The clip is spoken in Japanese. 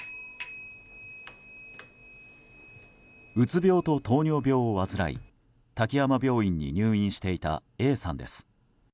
うつ病と糖尿病を患い滝山病院に入院していたＡさんです。